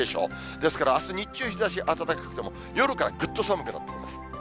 ですからあす日中、日ざし暖かくても、夜からぐっと寒くなってきます。